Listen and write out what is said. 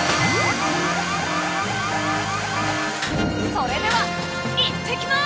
それでは行ってきます！